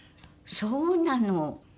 そうなの。